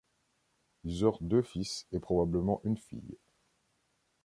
Ils eurent deux fils et probablement une fille.